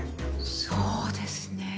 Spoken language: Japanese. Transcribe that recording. そうですね。